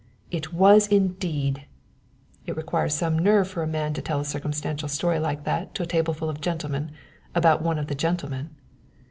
"It was, indeed!" "It requires some nerve for a man to tell a circumstantial story like that to a tableful of gentlemen, about one of the gentlemen!"